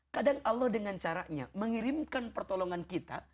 kadang allah dengan caranya mengirimkan pertolongan kita